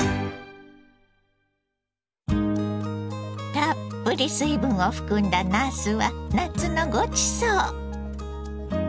たっぷり水分を含んだなすは夏のごちそう！